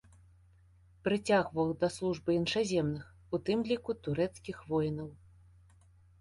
Прыцягваў да службы іншаземных, у тым ліку турэцкіх, воінаў.